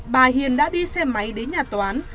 bà hiền đã đi xe máy đến nhà toán